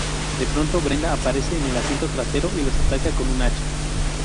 De pronto, Brenda aparece en el asiento trasero y los ataca con un hacha.